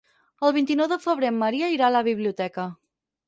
El vint-i-nou de febrer en Maria irà a la biblioteca.